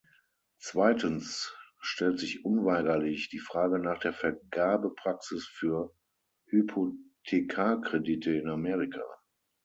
Zweitens stellt sich unweigerlich die Frage nach der Vergabepraxis für Hypothekarkredite in Amerika.